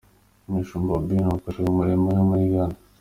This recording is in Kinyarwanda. Umushumba Obinim akorera umurimo we muri Ghana.